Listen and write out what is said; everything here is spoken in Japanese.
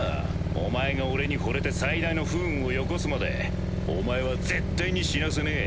お前が俺に惚れて最大の不運をよこすまでお前は絶対に死なせねぇ。